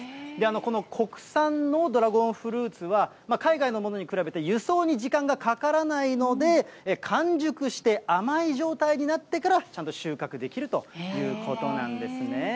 この国産のドラゴンフルーツは、海外のものに比べて輸送に時間がかからないので、完熟して甘い状態になってからちゃんと収穫できるということなんですね。